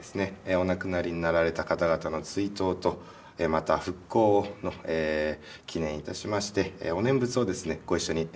お亡くなりになられた方々の追悼とまた復興を祈念致しましてお念仏をですねご一緒にお唱えしたいと思います。